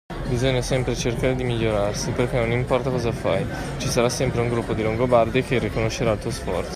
Bisogna sempre cercare di migliorarsi, perché non importa cosa fai, ci sarà sempre un gruppo di longobardi che riconoscerà il tuo sforzo.